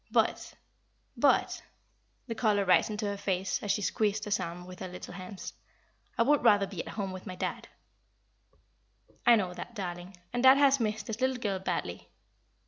But but" the colour rising to her face, as she squeezed his arm with her little hands "I would rather be at home with my dad." "I know that, darling, and dad has missed his little girl badly.